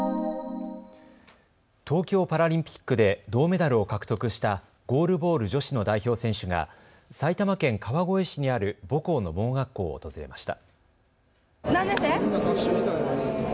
東京パラリンピックで銅メダルを獲得したゴールボール女子の代表選手が埼玉県川越市にある母校の盲学校を訪れました。